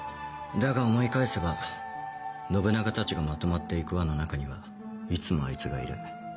だが思い返せば信長たちがまとまって行く輪の中にはいつもあいつがいる。